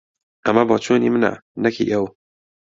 ئەمە بۆچوونی منە، نەک هی ئەو.